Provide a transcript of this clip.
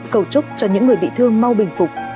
cầu chúc cho những người bị thương mau bình phục